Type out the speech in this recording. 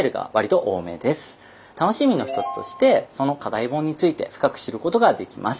楽しみの一つとしてその課題本について深く知ることができます。